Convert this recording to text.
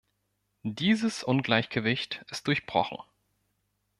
Dieses Ungleichgewicht ist durchbrochen.